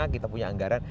kita punya anggaran